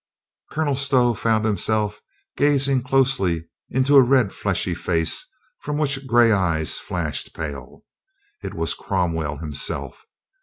Colonel Stow found himself gazing close into a red fleshy face from which gray eyes flashed pale. It was Cromwell himself.